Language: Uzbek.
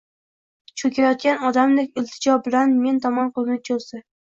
Cho`kayotgan odamdek iltijo bilan men tomon qo`lini cho`zdi